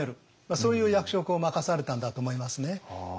そういう役職を任されたんだと思いますね。